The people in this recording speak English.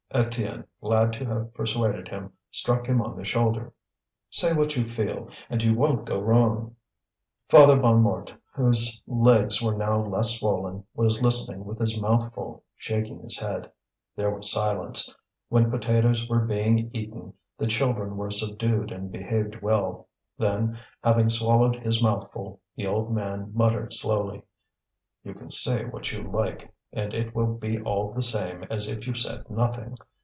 Étienne, glad to have persuaded him, struck him on the shoulder. "Say what you feel, and you won't go wrong." Father Bonnemort, whose legs were now less swollen, was listening with his mouth full, shaking his head. There was silence. When potatoes were being eaten, the children were subdued and behaved well. Then, having swallowed his mouthful, the old man muttered slowly: "You can say what you like, and it will be all the same as if you said nothing.